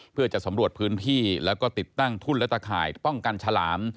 เพื่อจะสำรวจพื้นที่แล้วก็ติดตั้งทุ่นและตะข่ายป้องกันฉลาม